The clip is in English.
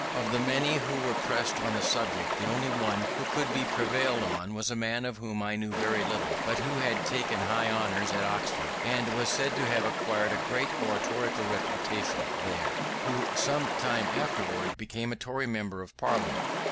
Of the many who were pressed on the subject, the only one who could be prevailed on was a man of whom I knew very little, but who had taken high honours at Oxford and was said to have acquired a great oratorical reputation there; who some time afterwards became a Tory member of Parliament.